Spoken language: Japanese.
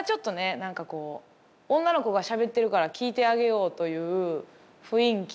何かこう女の子がしゃべってるから聞いてあげようという雰囲気。